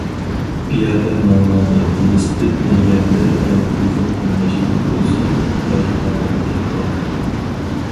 پىيادە ماڭغاندا، ۋېلىسىپىت مىنگەندە يان تېلېفون ئويناشنىڭ ئۆزى ئىنتايىن خەتەرلىك ئەھۋال.